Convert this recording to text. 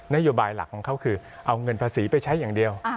โยบายหลักของเขาคือเอาเงินภาษีไปใช้อย่างเดียว